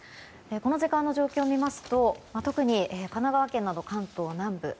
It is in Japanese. この時間の状況を見ますと特に神奈川県など関東南部